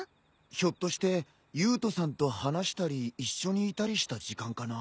ひょっとして優人さんと話したり一緒にいたりした時間かな。